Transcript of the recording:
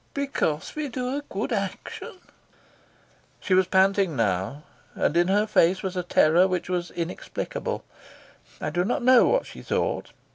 "Because we do a good action?" She was panting now, and in her face was a terror which was inexplicable. I do not know what she thought.